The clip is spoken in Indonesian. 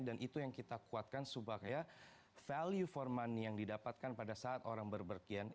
dan itu yang kita kuatkan sebagai value for money yang didapatkan pada saat orang berberkian